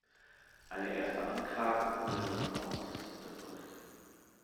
Eine erste Anklage wurde noch von Augustus unterdrückt.